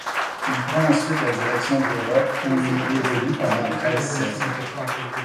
Il prend ensuite la direction de l’Europe, où il évolue pendant treize saisons.